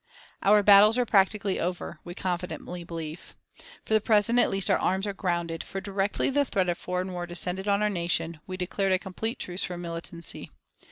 Our battles are practically over, we confidently believe. For the present at least our arms are grounded, for directly the threat of foreign war descended on our nation we declared a complete truce from militancy.